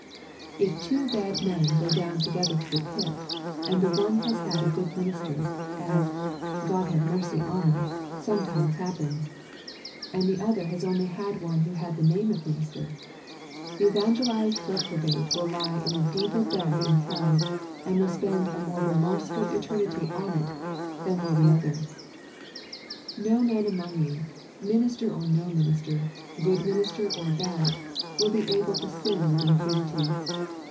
If two bad men go down together to the pit, and the one has had a good minister, as, God have mercy on us, sometimes happens, and the other has only had one who had the name of a minister, the evangelised reprobate will lie in a deeper bed in hell, and will spend a more remorseful eternity on it than will the other. No man among you, minister or no minister, good minister or bad, will be able to sin with impunity.